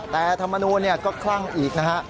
แต่ธรรมนูลก็คลั่งอีกนะฮะ